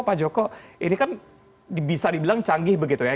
pak joko ini kan bisa dibilang canggih begitu ya